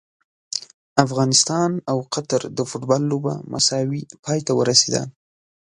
افغانستان او قطر د فوټبال لوبه مساوي پای ته ورسیده!